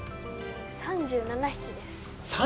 ３７匹です。